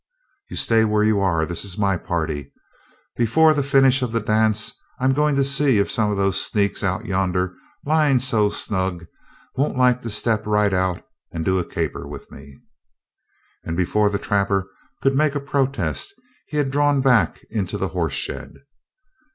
"You stay where you are; this is my party. Before the finish of the dance I'm going to see if some of those sneaks out yonder, lyin' so snug, won't like to step right out and do a caper with me!" And before the trapper could make a protest he had drawn back into the horse shed.